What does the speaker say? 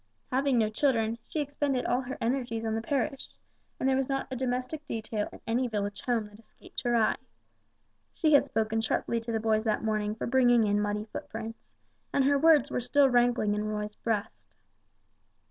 Having no children, she expended all her energies on the parish, and there was not a domestic detail in any village home that escaped her eye. She had spoken sharply to the boys that morning for bringing in muddy footprints, and her words were still rankling in Roy's breast.